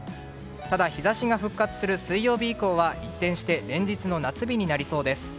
ただ、日差しが復活する水曜日以降は一転して連日の夏日になりそうです。